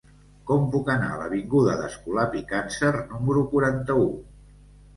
Com puc anar a l'avinguda d'Escolapi Càncer número quaranta-u?